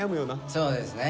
そうですね。